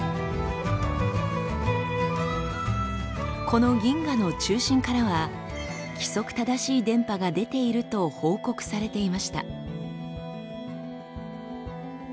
この銀河の中心からは規則正しい電波が出ていると報告されていました。